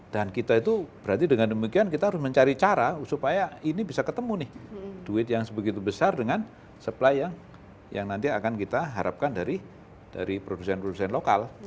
dan kita itu berarti dengan demikian kita harus mencari cara supaya ini bisa ketemu nih duit yang sebegitu besar dengan supply yang nanti akan kita harapkan dari produsen produsen lokal